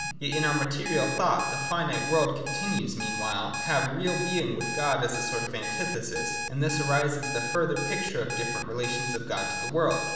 Yet in our material thought, the finite world continues, meanwhile, to have a real being, with God as a sort of antithesis : and thus arises the further picture of different relations of God to the world.